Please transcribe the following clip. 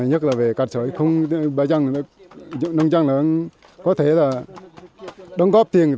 nhất là về các sở không bà con nông dân có thể là đồng góp tiền